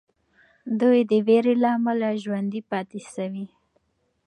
دوی د ویرې له امله ژوندي پاتې سوي.